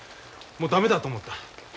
もう駄目だと思った。